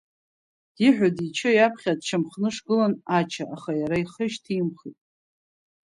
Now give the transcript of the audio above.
Диҳәо-дичо, иаԥхьа дшьамхнышгылан Ача, аха иара ихы шьҭимхит.